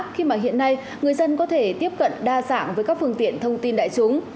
khi mà hiện nay người dân có thể tiếp cận đa dạng với các phương tiện thông tin đại chúng